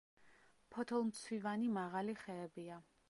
ფოთოლმცვივანი მაღალი ხეებია.